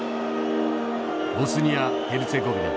ボスニア・ヘルツェゴビナ。